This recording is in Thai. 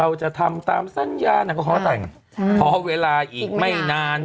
เราจะทำตามสัญญาณนักข้อแสดงใช่มั้ยครับพอเวลาอีกไม่นาน